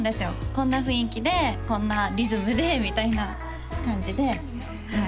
「こんな雰囲気でこんなリズムで」みたいな感じではい